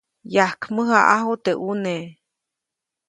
Yajkmäjaʼajuʼt teʼ ʼune.